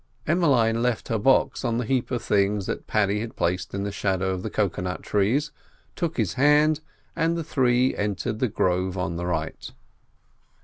Emmeline left her box on the heap of things that Paddy had placed in the shadow of the cocoa nut trees, took his hand, and the three entered the grove on the right.